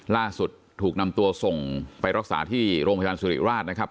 ล่าสุดถูกนำตัวส่งไปรักษาที่โรงพยาบาลสุริราชนะครับ